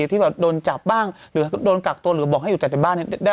ที่แบบโดนจับบ้างหรือโดนกักตัวหรือบอกให้อยู่แต่ในบ้านได้ออกอย่างไร